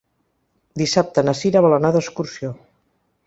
Dissabte na Cira vol anar d'excursió.